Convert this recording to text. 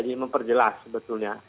jadi memperjelas sebetulnya